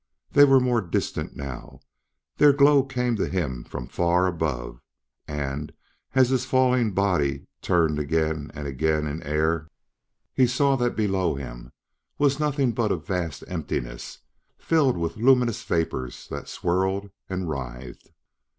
They were more distant now; their glow came to him from far above, and, as his falling body turned again and again in air, he saw that below him was nothing but a vast emptiness filled with luminous vapors that swirled and writhed.